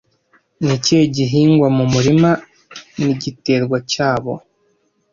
Ni iki gihingwa mu murima nigiterwa cyabo